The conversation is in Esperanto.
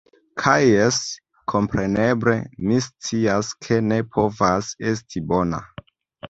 Kaj jes, kompreneble, mi scias, ke ne povas esti bona.